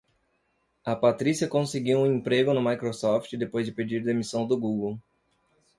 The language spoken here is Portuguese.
A Patrícia conseguiu um emprego na Microsoft depois de pedir demissão do Google.